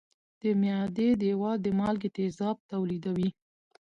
د معدې دېوال د مالګي تیزاب تولیدوي.